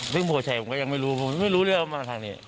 ซึ่งพ่อชัยผมก็ยังไม่รู้ผมไม่รู้เลยว่าเอามาทางนี้